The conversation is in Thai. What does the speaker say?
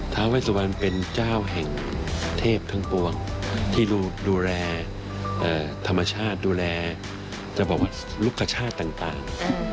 ท้าเวสุวรรณเป็นเจ้าแห่งเทพทั้งปวงที่ดูแลธรรมชาติดูแลจะบอกว่าลูกคชาติต่าง